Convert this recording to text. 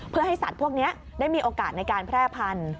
เพื่อให้สัตว์พวกนี้ได้มีโอกาสในการแพร่พันธุ